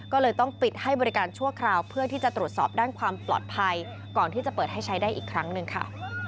ก็เลยต้องปิดให้บริการชั่วคราวเพื่อที่จะตรวจสอบด้านความปลอดภัยก่อนที่จะเปิดให้ใช้ได้อีกครั้งหนึ่งค่ะ